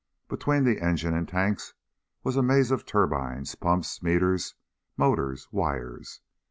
Between the engine and tanks was a maze of turbines, pumps, meters, motors, wires.